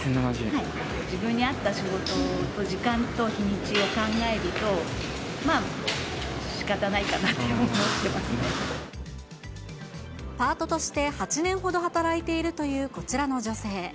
自分に合った仕事と時間と日にちを考えると、まあ、パートとして８年ほど働いているというこちらの女性。